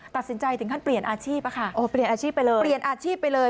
ตัดสินใจถึงขั้นเปลี่ยนอาชีพเปลี่ยนอาชีพไปเลย